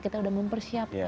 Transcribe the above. kita udah mempersiapkan